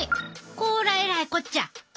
こらえらいこっちゃ！